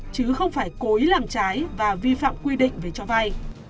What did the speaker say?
chứ không phải cố ý làm trái và vi phạm quy định về cho vay